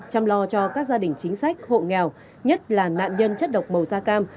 chăm lo cho các gia đình chính sách hộ nghèo nhất là nạn nhân chất độc màu da cam